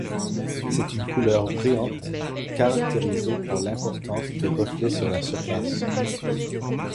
C'est une couleur brillante, caractérisée par l'importance des reflets sur la surface.